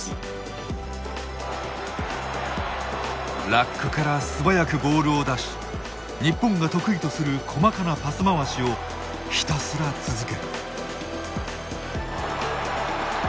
ラックから素早くボールを出し日本が得意とする細かなパス回しをひたすら続ける。